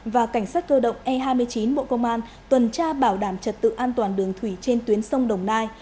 và cảnh sát cơ động e hai mươi chín bộ công an tuần tra bảo đảm trật tự an toàn đường thủy trên tuyến sông đồng nai